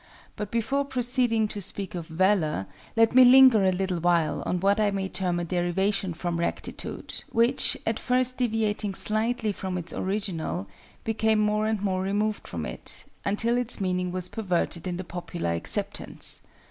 But before proceeding to speak of Valor, let me linger a little while on what I may term a derivation from Rectitude, which, at first deviating slightly from its original, became more and more removed from it, until its meaning was perverted in the popular acceptance.